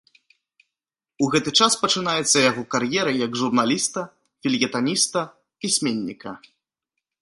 У гэты час пачынаецца яго кар'ера як журналіста, фельетаніста, пісьменніка.